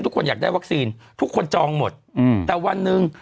ทุกคนอยากได้วัคซีนทุกคนจองหมดอืมแต่วันหนึ่ง